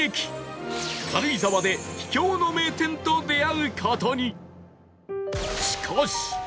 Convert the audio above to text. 軽井沢で秘境の名店と出会う事に